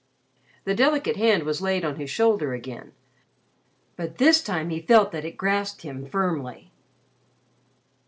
The delicate hand was laid on his shoulder again, but this time he felt that it grasped him firmly.